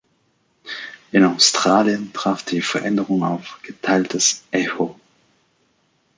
In Australien traf die Veränderung auf geteiltes Echo.